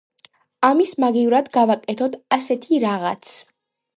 ამის მაგივრად გავაკეთოთ ასეთი რაღაც.